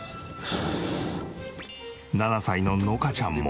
７歳ののかちゃんも。